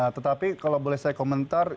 tetapi kalau boleh saya komentar